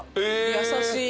優しい。